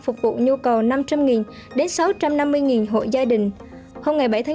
phục vụ nhu cầu năm trăm linh sáu trăm năm mươi hộ gia đình